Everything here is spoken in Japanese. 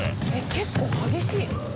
結構激しい。